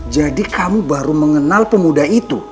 jadi kamu baru mengenal pemuda itu